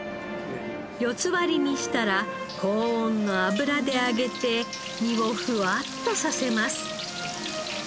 ４つ割りにしたら高温の油で揚げて身をふわっとさせます。